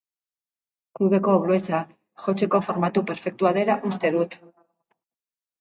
Klubeko bluesa jotzeko formatu perfektua dela uste dut.